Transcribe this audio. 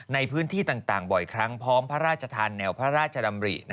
ในพื้นที่ต่างบ่อยครั้งพร้อมพระราชทานแนวพระราชดำริ